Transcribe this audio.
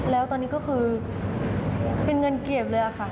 แล้วตอนนี้ก็คือเป็นเงินเก็บเลยค่ะ